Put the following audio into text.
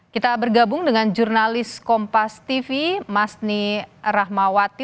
kita bergabung dengan jurnalis kompas tv masni rahmawati